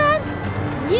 hei naik dulu